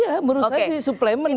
ya ya menurut saya sih suplemen ya